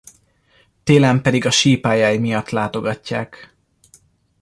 Télen pedig a sípályái miatt látogatják.